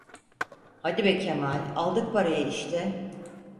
Hadi be Kemal, aldık parayı işte…